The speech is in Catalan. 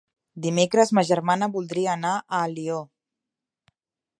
Dimecres ma germana voldria anar a Alió.